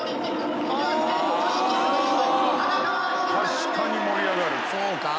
確かに盛り上がる。